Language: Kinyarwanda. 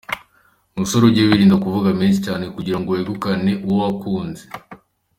Musore ujye wirinda kuvuga menshi cyane kugira ngo wegukane uwo wakunze.